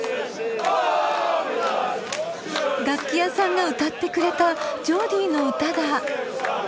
楽器屋さんが歌ってくれたジョーディーの歌だ。